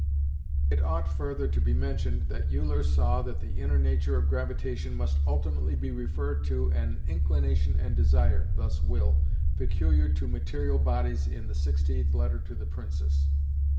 It ought further to be mentioned that Euler saw that the inner nature of gravitation must ultimately be referred to an "inclination and desire" (thus will) peculiar to material bodies (in the 68th letter to the Princess).